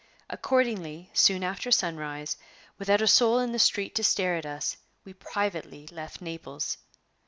Accordingly, soon after sunrise, without a soul in the street to stare at us, we privately left Naples.